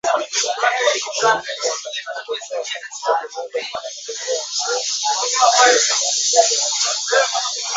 shirika la kutetea haki za binadamu inaelezea wasiwasi kuhusu kuteswa wafungwa nchini Uganda